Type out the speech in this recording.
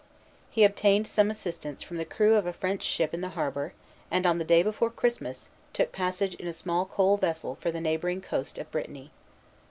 He obtained some assistance from the crew of a French ship in the harbor, and, on the day before Christmas, took passage in a small coal vessel for the neighboring coast of Brittany.